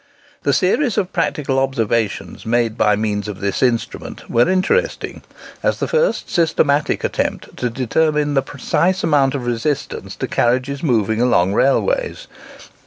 The series of practical observations made by means of this instrument were interesting, as the first systematic attempt to determine the precise amount of resistance to carriages moving along railways.